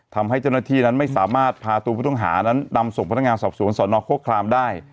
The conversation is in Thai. ทำให้เจ้าหน้าที่นั้นไม่สามารถพาตัวผู้ต้องหานั้นนำส่งพนักงานสอบสวนสนโครครามได้